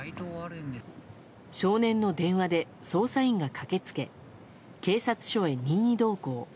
少年の電話で捜査員が駆け付け警察署へ任意同行。